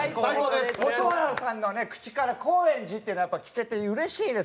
蛍原さんのね口から「高円寺」っていうのが聞けてうれしいですよ